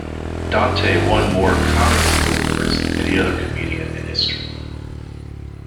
Dante won more "ComicView" awards than any other comedian in history.